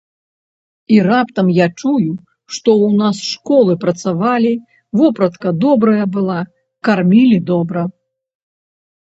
І раптам я чую, што ў нас школы працавалі, вопратка добрая была, кармілі добра.